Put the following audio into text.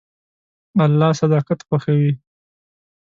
الله صداقت خوښوي.